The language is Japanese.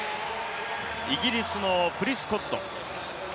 イギリスのプリスコッド。